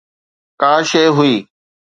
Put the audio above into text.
ڪا شيءِ هئي.